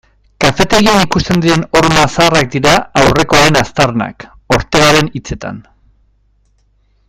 Kafetegian ikusten diren horma zaharrak dira aurrekoaren aztarnak, Ortegaren hitzetan.